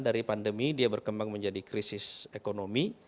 dari pandemi dia berkembang menjadi krisis ekonomi